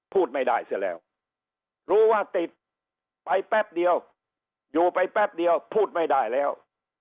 พูดไม่ได้เสียแล้วรู้ว่าติดไปแป๊บเดียวอยู่ไปแป๊บเดียวพูดไม่ได้แล้ว